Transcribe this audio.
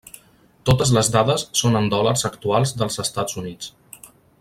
Totes les dades són en dòlars actuals dels Estats Units.